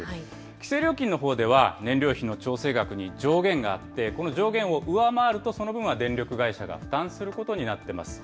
規制料金のほうでは、燃料費の調整額に上限があって、この上限を上回ると、その分は電力会社が負担することになってます。